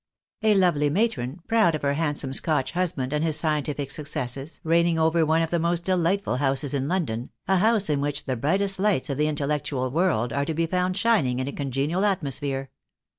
A lovely matron, proud of her handsome Scotch husband and his scientific successes, reigning over one of the most delightful houses in London, a house in which the brightest lights of the intellectual world are to be found shining in a congenial atmosphere.